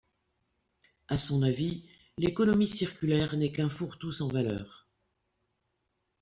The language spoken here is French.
À son avis, l’économie circulaire n’est qu'un fourre-tout sans valeur.